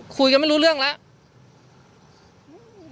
คุยกันไม่รู้เรื่องแล้ว